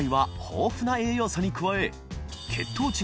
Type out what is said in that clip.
豊富な栄養素に加え貪３,佑